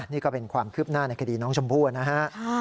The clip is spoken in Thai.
นี่ก็เป็นความคืบหน้าในคดีน้องชมพู่นะฮะ